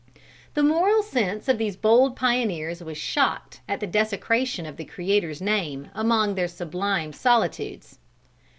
The moral sense of these bold pioneers was shocked at the desecration of the Creator's name among their sublime solitudes.